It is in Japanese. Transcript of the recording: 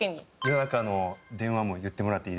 「夜中の電話」も言ってもらっていいですか？